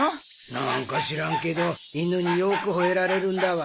なんか知らんけど犬によくほえられるんだわ。